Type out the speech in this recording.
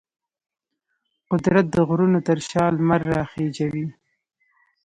قدرت د غرونو تر شا لمر راخیژوي.